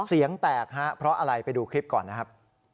เสียงแตกฮะเพราะอะไรไปดูคลิปก่อนนะครับ